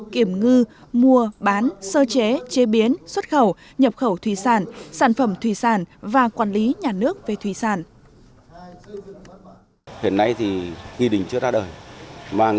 kiểm ngư mua bán sơ chế chế biến xuất khẩu nhập khẩu thủy sản sản phẩm thủy sản và quản lý nhà nước về thủy sản